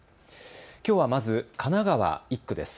きょうは、まず神奈川１区です。